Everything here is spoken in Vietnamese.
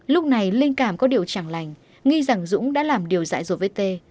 lúc này linh cảm có điều chẳng lành nghi rằng dũng đã làm điều dại dột với t